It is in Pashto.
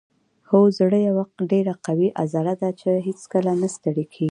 هو زړه یوه ډیره قوي عضله ده چې هیڅکله نه ستړې کیږي